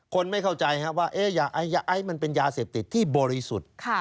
คนไม่เข้าใจว่ายาไอซ์มันเป็นยาเสพติดที่บริสุทธิ์